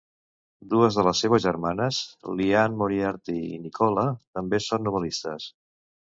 Dues de les seves germanes, Liane Moriarty i Nicola, també són novel·listes.